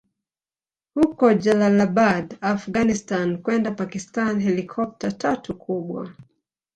huko Jalalabad Afghanistan kwenda Pakistan Helikopta tatu kubwa